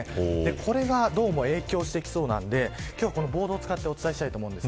これがどうも影響してきそうなのでボードを使ってお伝えします。